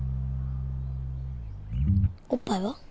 おっぱいは？